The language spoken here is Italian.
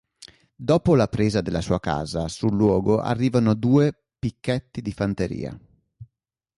Dopo la presa della sua casa sul luogo arrivano due picchetti di fanteria.